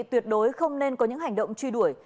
tuyệt đối không nên có những hành động truy đuổi